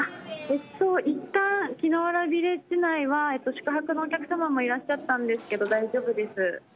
いったん木ノ浦ビレッジ内は宿泊のお客様もいらっしゃったんですけど大丈夫です。